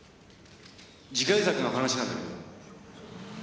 次回作の話なんだけど。